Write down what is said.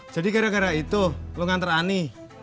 jadi gara gara itu lo nganter ani